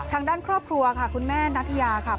ทางด้านครอบครัวคุณแม่ณัฐิวะค่ะ